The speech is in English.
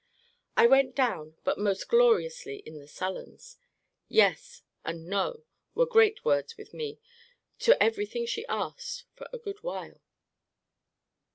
I went down; but most gloriously in the sullens. YES, and NO, were great words with me, to every thing she asked, for a good while.